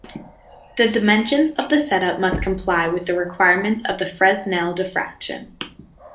The dimensions of the setup must comply with the requirements for Fresnel diffraction.